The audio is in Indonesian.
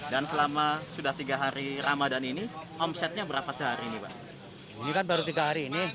dan selama sudah tiga hari ramadhan ini omsetnya berapa sehari ini pak ini kan baru tiga hari ini